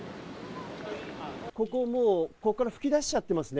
ここから噴き出しちゃってますね。